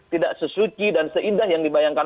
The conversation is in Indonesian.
tidak sesuci dan seindah yang dibayangkan